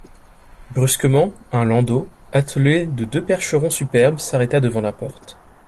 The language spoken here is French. Brusquement, un landau, attelé de deux percherons superbes, s’arrêta devant la porte.